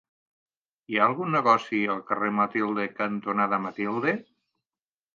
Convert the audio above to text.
Hi ha algun negoci al carrer Matilde cantonada Matilde?